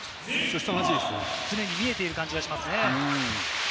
常に見えている感じがしますね。